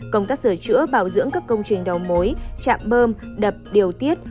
công tác sửa chữa bảo dưỡng các công trình đầu mối chạm bơm đập điều tiết